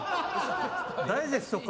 ダイジェストか。